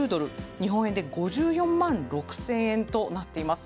日本円で５４万６０００円となっています。